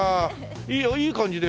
いいよいい感じで。